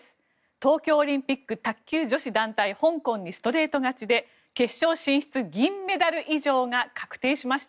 東京オリンピック卓球女子団体香港にストレート勝ちで決勝進出、銀メダル以上が確定しました。